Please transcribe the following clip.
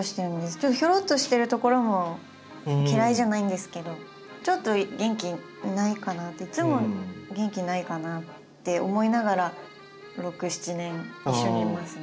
ちょっとひょろっとしてるところも嫌いじゃないんですけどちょっと元気ないかなっていつも元気ないかなって思いながら６７年一緒にいますね。